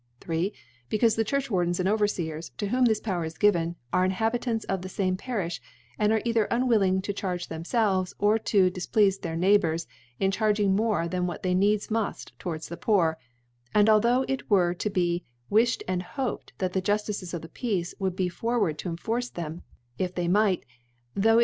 3. Becaufe the Churchwardens and Overfcers, to whom this Power is given, are Inhabi tants of the fame Parilh, and are either unwilling co charge themfelves or to dif pleafe their Neighbours in charging more than they needs muft towards the Poor : And although it were to be wilhcd and hoped that the Juftices of the Peace would be forward to enforce them if they might, though it m.